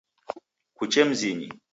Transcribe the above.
Kuche mzinyi .